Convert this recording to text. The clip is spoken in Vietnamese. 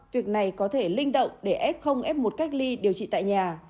việc này có thể linh động để f f một cách ly điều trị tại nhà